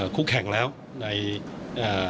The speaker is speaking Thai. คู่แข่งแล้วในเอ่อ